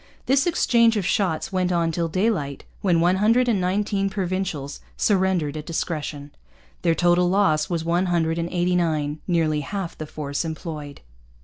This exchange of shots went on till daylight, when one hundred and nineteen Provincials surrendered at discretion. Their total loss was one hundred and eighty nine, nearly half the force employed.